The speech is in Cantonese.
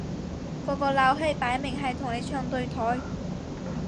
嗰個撈閪擺明係同你唱對台